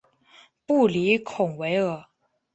布里孔维尔。